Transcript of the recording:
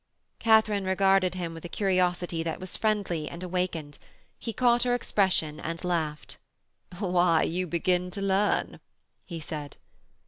Katharine regarded him with a curiosity that was friendly and awakened: he caught her expression and laughed. 'Why, you begin to learn,' he said.